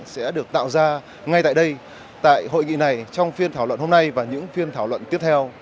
sẽ được tạo ra ngay tại đây tại hội nghị này trong phiên thảo luận hôm nay và những phiên thảo luận tiếp theo